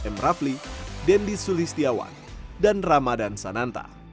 m rafli dendi sulistiawan dan ramadan sananta